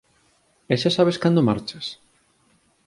E xa sabes cando marchas?